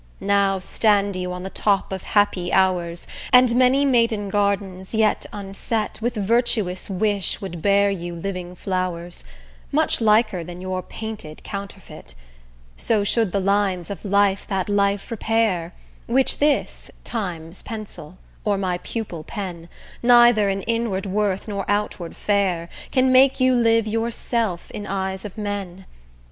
Now stand you on the top of happy hours, And many maiden gardens, yet unset, With virtuous wish would bear you living flowers, Much liker than your painted counterfeit: So should the lines of life that life repair, Which this, Time's pencil, or my pupil pen, Neither in inward worth nor outward fair, Can make you live yourself in eyes of men.